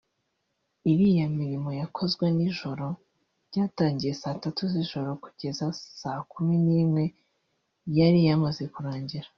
“Iriya mirimo yakozwe nijoro byatangiye Saa tatu z’ijoro kugeza saa kumi n’imwe yari yamaze kurangira